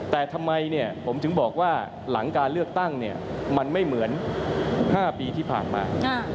แต่ทำไมผมถึงบอกว่าหลังการเลือกตั้งมันไม่เหมือน๕ปีที่ผ่านมา